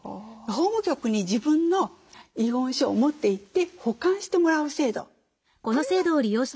法務局に自分の遺言書を持っていって保管してもらう制度。